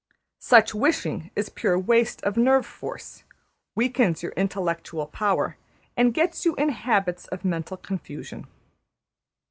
Such wishing is pure waste of nerve force, weakens your intellectual power, and gets you into habits of mental confusion.